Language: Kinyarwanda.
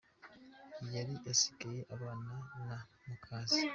Yari asigaye abana na muka se.